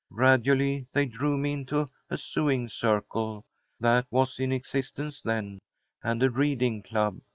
Gradually they drew me into a sewing circle that was in existence then, and a reading club.